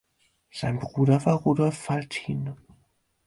Sein Bruder war Rudolf Faltin.